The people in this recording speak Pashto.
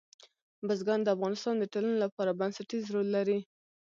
بزګان د افغانستان د ټولنې لپاره بنسټيز رول لري.